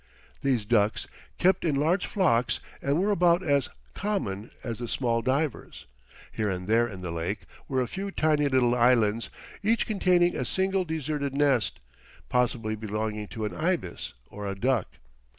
These ducks kept in large flocks and were about as common as the small divers. Here and there in the lake were a few tiny little islands, each containing a single deserted nest, possibly belonging to an ibis or a duck.